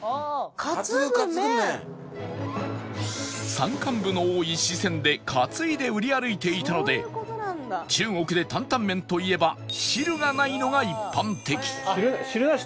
山間部の多い四川で担いで売り歩いていたので中国で担々麺といえば汁がないのが一般的汁なし